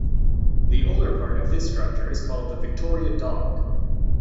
The older part of this structure is called the Victoria Dock.